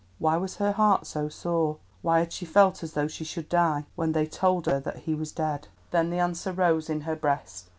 Why was her heart so sore? Why had she felt as though she should die when they told her that he was dead? Then the answer rose in her breast.